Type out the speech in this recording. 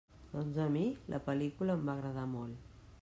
Doncs a mi, la pel·lícula em va agradar molt.